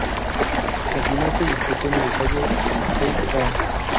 La final se disputó en el Estadio Stade France.